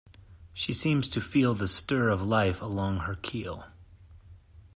She seems to feel The stir of life along her keel.